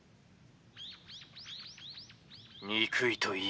「憎いと言え」。